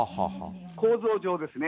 構造上ですね。